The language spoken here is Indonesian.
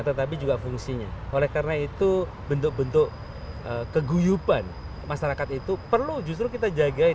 tetapi juga fungsinya oleh karena itu bentuk bentuk keguyuban masyarakat itu perlu justru kita jagain